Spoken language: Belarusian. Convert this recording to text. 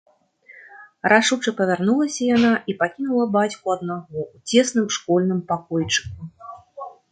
Рашуча павярнулася яна і пакінула бацьку аднаго ў цесным школьным пакойчыку.